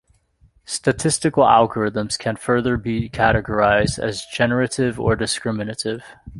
Statistical algorithms can further be categorized as generative or discriminative.